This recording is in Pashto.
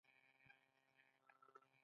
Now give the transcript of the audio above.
جيني ضريب شتمنۍ نابرابري ښکاره کوي.